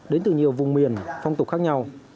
đến từ nhiều vùng miền phong tục khác nhau